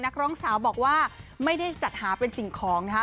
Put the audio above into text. นักร้องสาวบอกว่าไม่ได้จัดหาเป็นสิ่งของนะคะ